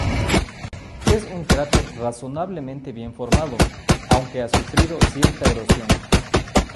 Es un cráter razonablemente bien formado, aunque ha sufrido cierta erosión.